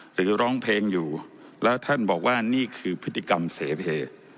หรือร้องเพลงอยู่แล้วท่านบอกว่านี่คือพฤติกรรมเสเพ